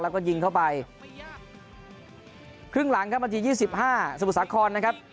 แล้วก็ยิงเข้าไปครึ่งหลังครับนาทียี่สิบห้าสมุทรสาครนะครับ